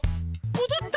もどった！